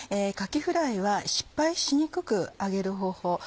かきフライは失敗しにくく揚げる方法